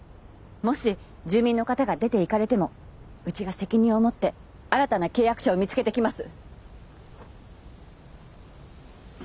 もし住民の方が出て行かれてもうちが責任を持って新たな契約者を見つけてきます。